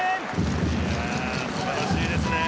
素晴らしいですね。